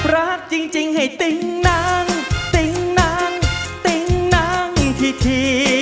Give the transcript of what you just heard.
รักจริงให้ติ๊งหนังติ๊งหนังติ๊งนั่งที